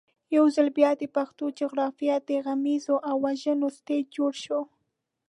یو ځل بیا د پښتنو جغرافیه د غمیزو او وژنو سټېج جوړ شو.